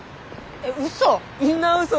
えっ嘘！？